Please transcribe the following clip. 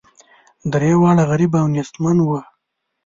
درې واړه غریب او نیستمن وه.